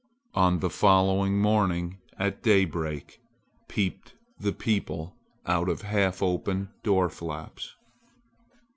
On the following morning at daybreak, peeped the people out of half open door flaps.